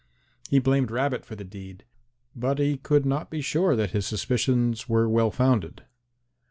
He blamed Rabbit for the deed, but he could not be sure that his suspicions were well founded.